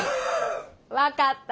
分かった。